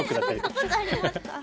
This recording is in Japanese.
そんなことありますか？